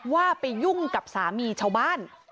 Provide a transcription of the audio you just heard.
ว่าไปยุ่งกับสามีชาวบ้าน